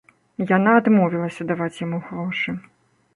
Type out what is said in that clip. Яна адмовілася даваць яму грошы.